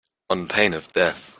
On pain of death.